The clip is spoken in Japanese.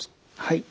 はい。